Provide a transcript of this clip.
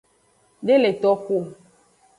De le toxu o.